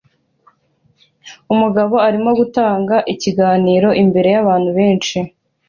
Umugabo arimo gutanga ikiganiro imbere yabantu benshi